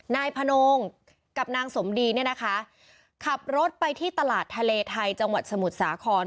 นายพนงกับนางสมดีเนี่ยนะคะขับรถไปที่ตลาดทะเลไทยจังหวัดสมุทรสาคร